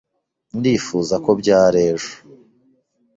Ndifuza ko byari ejo.